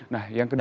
nah yang kedua